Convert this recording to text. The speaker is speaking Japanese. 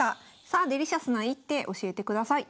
さあデリシャスな一手教えてください。